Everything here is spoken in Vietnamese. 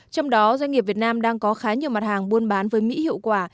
trong đó doanh nghiệp việt nam đang có khá nhiều mặt hàng buôn bán với mỹ hiệu quả